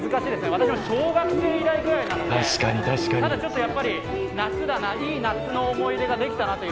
私も小学生以来くらいなので、ただやっぱり夏だな、いい夏の思い出ができたなと。